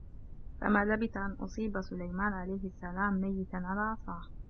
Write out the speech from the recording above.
فَمَا لَبِثَ أَنْ أُصِيبَ سُلَيْمَانُ عَلَيْهِ السَّلَامُ مَيِّتًا عَلَى عَصَاهُ